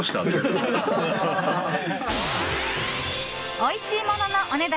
おいしいもののお値段